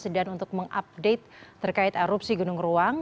dan untuk mengupdate terkait erupsi gunung ruang